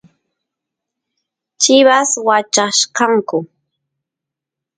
chivas wachachkanku